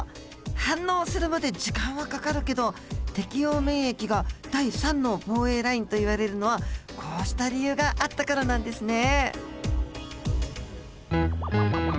反応するまで時間はかかるけど適応免疫が第３の防衛ラインといわれるのはこうした理由があったからなんですね。